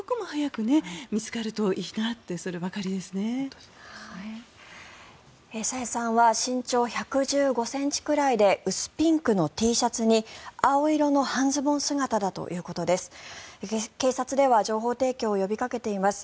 朝芽さんは身長１１５ｃｍくらいで薄ピンクのＴシャツに青色の半ズボン姿だということです。